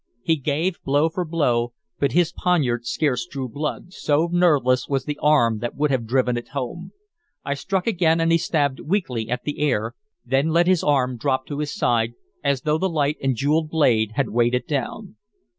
He gave blow for blow, but his poniard scarce drew blood, so nerveless was the arm that would have driven it home. I struck again, and he stabbed weakly at the air, then let his arm drop to his side, as though the light and jeweled blade had weighed it down.